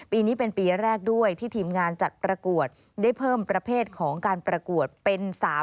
ปีนี้เป็นปีแรกด้วยที่ทีมงานจัดประกวดได้เพิ่มประเภทของการประกวดเป็น๓๐